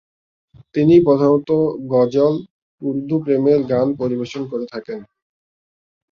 তিনি প্রধানত গজল, উর্দু প্রেমের গান পরিবেশন করে থাকেন।